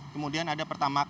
kemudian ada pertamax